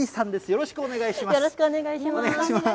よろしくお願いします。